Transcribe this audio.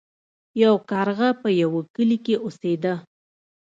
یو کارغه په یوه کلي کې اوسیده.